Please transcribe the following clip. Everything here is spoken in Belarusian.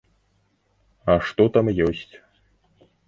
А што там ёсць?